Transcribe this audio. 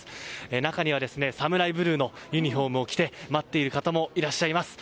中には、サムライブルーのユニホームを着て待っている方もいらっしゃいます。